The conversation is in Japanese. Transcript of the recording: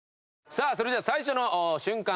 さあそれでは最初の瞬間